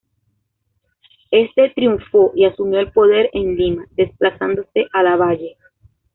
Este triunfó y asumió el poder en Lima, desplazando a Lavalle.